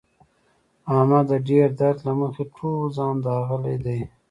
احمد د ډېر درد له مخې ټول ځان داغلی دی.